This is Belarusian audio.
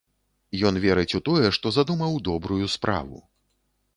Ён верыць у тое, што задумаў добрую справу.